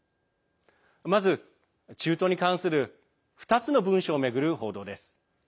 まず、中東に関する２つの文書を巡る報道です。